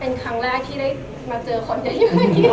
เป็นครั้งแรกที่ได้มาเจอคนเยอะ